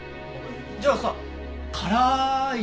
じゃあさ辛い